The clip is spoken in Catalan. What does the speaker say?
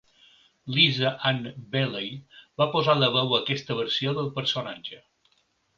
Lisa Ann Beley va posar la veu a aquesta versió del personatge.